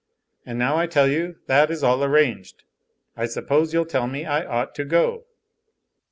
"And now I tell you that is all arranged, I suppose you'll tell me I ought to go?"